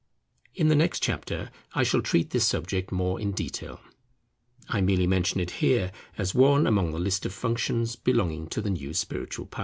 In the next chapter I shall treat this subject more in detail. I merely mention it here as one among the list of functions belonging to the new spiritual power.